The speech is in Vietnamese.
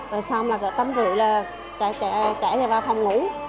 rồi xong là tấm rưỡi là trẻ vào phòng ngủ